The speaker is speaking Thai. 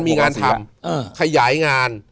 มีงานทำขยายงาน